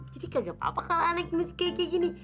jadi gak gapapa kalau anaknya masih kayak kayak gini